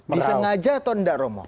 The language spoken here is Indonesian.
disengaja atau tidak romo